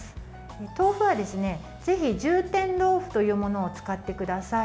豆腐はぜひ、充てん豆腐というものを使ってください。